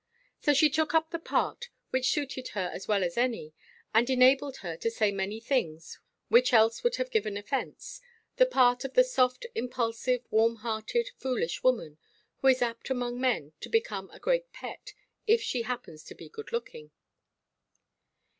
So she took up the part—which suited her as well as any, and enabled her to say many things which else would have given offence—the part of the soft, impulsive, warm–hearted, foolish woman, who is apt among men to become a great pet, if she happens to be good–looking.